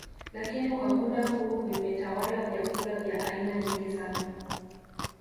Lakini kwa muda huu vimetawala vyakula vya aina nyingi sana